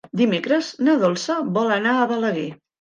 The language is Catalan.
Dimecres na Dolça vol anar a Balaguer.